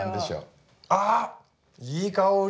あっいい香り！